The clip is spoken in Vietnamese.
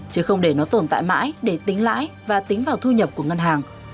chứ không để nó tồn tại mãi để tính lãi và tính vào thu nhập của ngân hàng